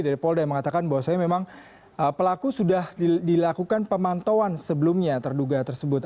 dari polda yang mengatakan bahwa saya memang pelaku sudah dilakukan pemantauan sebelumnya tertuga tersebut